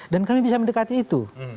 dan kami bisa mendekati itu